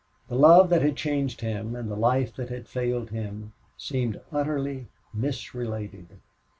The love that had changed him and the life that had failed him seemed utterly misrelated.